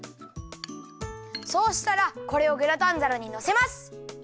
そうしたらこれをグラタンざらにのせます。